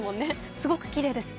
すごくきれいですね。